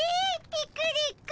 ピクニック。